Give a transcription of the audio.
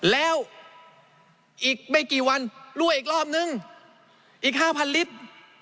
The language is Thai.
แล้วอีกไม่กี่วันรั่วอีกรอบนึงอีก๕๐๐ลิตร